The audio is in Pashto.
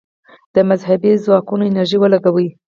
د مذهبي ځواکونو انرژي ولګوي.